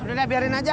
udah deh biarin aja